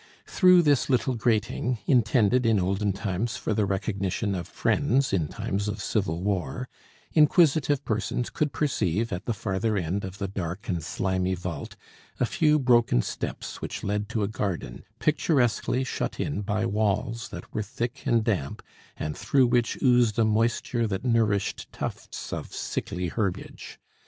Through this little grating intended in olden times for the recognition of friends in times of civil war inquisitive persons could perceive, at the farther end of the dark and slimy vault, a few broken steps which led to a garden, picturesquely shut in by walls that were thick and damp, and through which oozed a moisture that nourished tufts of sickly herbage.